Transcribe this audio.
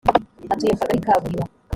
atuye mu kagari ka buriba.